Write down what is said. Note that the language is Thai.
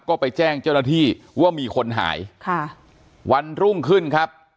ก็ไปแจ้งเจ้าหน้าที่ว่ามีคนหายค่ะวันรุ่งขึ้นครับ